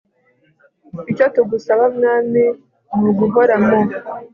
icyo tugusaba mwami, ni uguhora mu